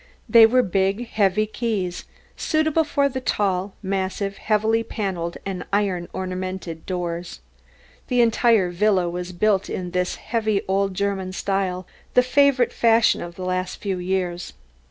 They were big heavy keys, suitable for the tall massive heavily panelled and iron ornamented doors. The entire villa was built in this heavy old German style, the favourite fashion of the last few years.